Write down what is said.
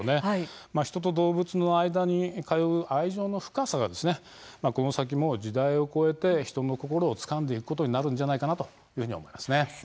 人と動物の間に通う愛情の深さがこの先も時代を超えて人の心をつかんでいくことになるんじゃないかなと思います。